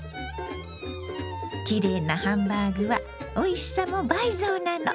きれいなハンバーグはおいしさも倍増なの。